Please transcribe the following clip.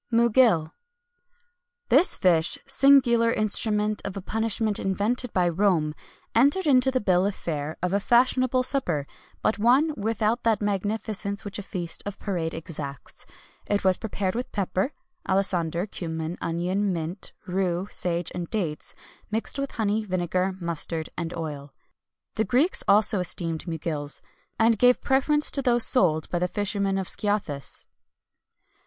MUGIL. This fish, singular instrument of a punishment invented by Rome,[XXI 183] entered into the bill of fare of a fashionable supper, but one without that magnificence which a feast of parade exacts. It was prepared with pepper, alisander, cummin, onion, mint, rue, sage, and dates, mixed with honey, vinegar, mustard, and oil.[XXI 184] The Greeks also esteemed mugils, and gave a preference to those sold by the fishermen of Scyathus.